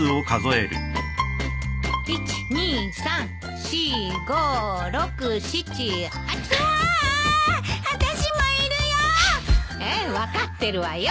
ええ分かってるわよ。